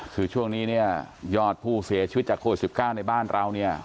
คือช่วงนี้เนี่ยยอดผู้เสียชีวิตจากโควิด๑๙ในบ้านเราเนี่ย